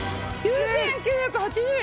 ９９８０円！